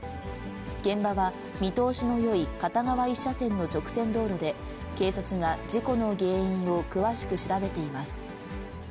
現場は、見通しのよい片側１車線の直線道路で、警察が事故の原因を詳しく調べています。